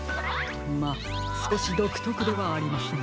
まあすこしどくとくではありますが。